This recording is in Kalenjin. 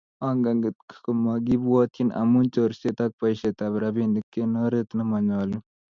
Akonget komokibwotyin amu chorset ak boisetab robinik eng oret ne monyolu